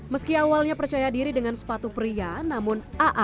meski awalnya percaya diri dengan sepatu pria namun aa